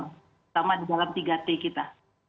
pertama di dalam tiga t kita